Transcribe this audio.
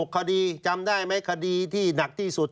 คดีจำได้ไหมคดีที่หนักที่สุด